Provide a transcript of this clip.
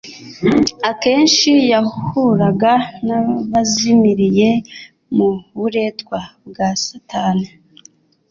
Akenshi yahuraga n'abazimiriye mu buretwa bwa Satani,